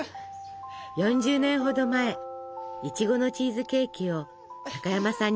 ４０年ほど前いちごのチーズケーキを高山さんに教えてくれた正子さんです。